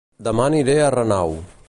Dema aniré a Renau